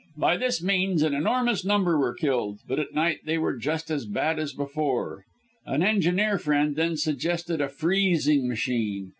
By this means an enormous number were killed; but at night they were just as bad as before. An engineer friend then suggested a freezing machine.